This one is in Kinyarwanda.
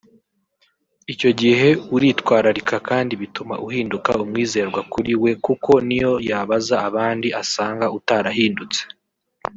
Icyo gihe uritwararika kandi bituma uhinduka umwizerwa kuri we kuko niyo yabaza abandi asanga utarahindutse